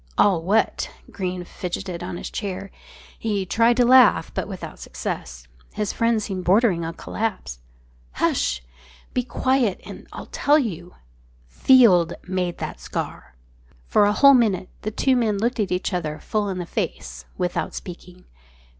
"All what?" Greene fidgeted on his chair. He tried to laugh, but without success. His friend seemed bordering on collapse. "Hush! Be quiet, and I'll tell you," he said. "Field made that scar." For a whole minute the two men looked each other full in the face without speaking.